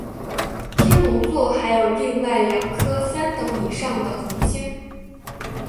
天龙座还有另外两颗三等以上的恒星。